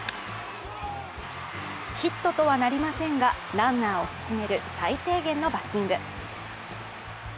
ヒットとはなりませんが、ランナーを進める最低限のバッティング。